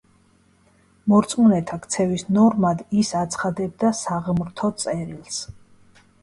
მორწმუნეთა ქცევის ნორმად ის აცხადებდა საღმრთო წერილს.